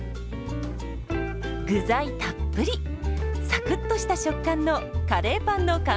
具材たっぷりサクッとした食感のカレーパンの完成です。